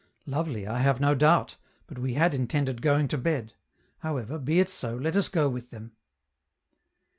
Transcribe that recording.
Lovely, I have no doubt, but we had intended going to bed. However, be it so, let us go with them.